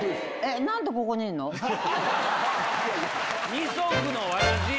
二足のわらじ！